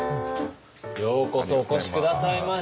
ようこそお越し下さいました。